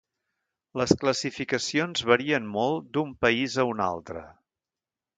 Les classificacions varien molt d'un país a un altre.